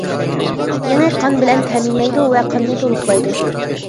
يېڭى قان بىلەن تەمىنلەيدۇ ۋە قاننى تولۇقلايدۇ.